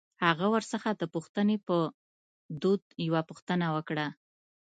هغه ورڅخه د پوښتنې په دود يوه پوښتنه وکړه.